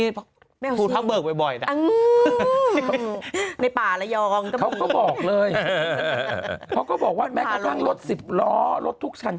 แต่ถ้าสมมุติเป็นระบบรุ่นเก่า